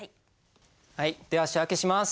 はいでは仕訳します。